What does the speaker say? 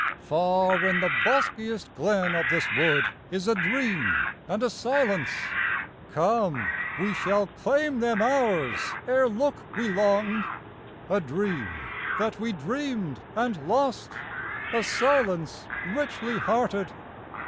Far in the boskiest glen of this wood is a dream and a silence — Come, we shall claim them ours ere look we long; A dream that we dreamed and lost, a silence richly hearted.